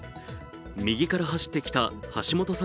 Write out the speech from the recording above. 右から走ってきた橋本さん